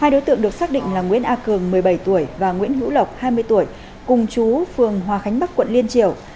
hai đối tượng được xác định là nguyễn a cường một mươi bảy tuổi và nguyễn hữu lộc hai mươi tuổi cùng chú phường hòa khánh bắc quận liên triều